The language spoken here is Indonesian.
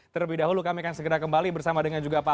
terlebih dahulu kami akan segera kembali bersama dengan juga pak